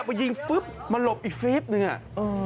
มันยิงมันหลบอีกฟลิปหนึ่ง